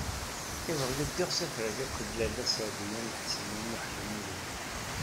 Iḍelli ddiɣ s afrag akked Lalla Seɛdiya n Ḥsen u Muḥ Lmlud.